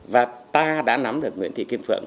và ta đã nắm được nguyễn thị kim phượng